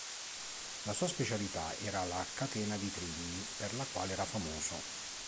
La sua specialità era la "catena di trilli", per la quale era famoso.